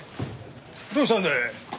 どうしたんだい？